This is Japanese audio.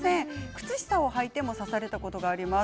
靴下をはいても刺されたことがあります。